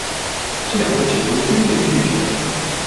这两个请求均被拒绝。